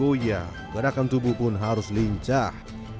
goya gerakan tubuh pun harus lincah